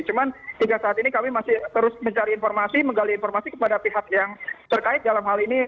cuman hingga saat ini kami masih terus mencari informasi menggali informasi kepada pihak yang terkait dalam hal ini